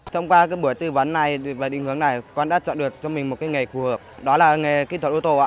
trong buổi tư vấn và định hướng này con đã chọn được cho mình một nghề khu hợp đó là nghề kinh thuật ô tô